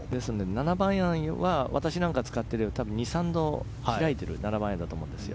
７番アイアンは私なんか使っているよりも２３度控えているアイアンだと思うんです。